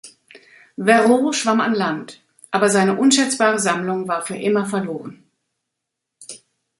Verreaux schwamm an Land, aber seine unschätzbare Sammlung war für immer verloren.